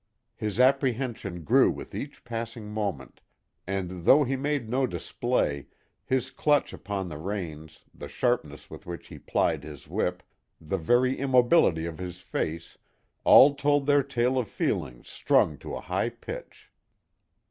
His apprehension grew with each passing moment, and, though he made no display, his clutch upon the reins, the sharpness with which he plied his whip, the very immobility of his face, all told their tale of feelings strung to a high pitch.